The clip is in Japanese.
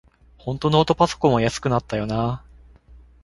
ほんとノートパソコンは安くなったよなあ